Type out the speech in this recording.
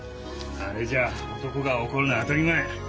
あれじゃ男が怒るの当たり前。